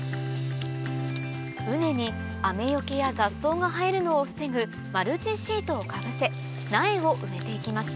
畝に雨よけや雑草が生えるのを防ぐマルチシートをかぶせ苗を植えて行きます